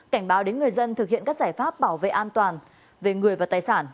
cảnh báo đến người dân thực hiện các giải pháp bảo vệ an toàn về người và tài sản